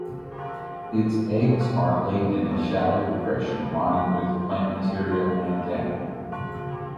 Its eggs are laid in a shallow depression lined with plant material and down.